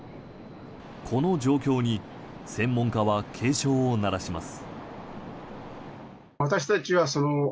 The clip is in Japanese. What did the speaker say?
この状況に専門家は警鐘を鳴らします。